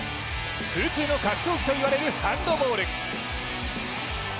空中の格闘技といわれるハンドボール。